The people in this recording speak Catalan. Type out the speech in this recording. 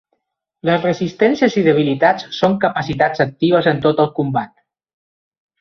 Les resistències i debilitats són capacitats actives en tot el combat.